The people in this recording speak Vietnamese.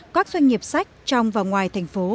các doanh nghiệp sách trong và ngoài thành phố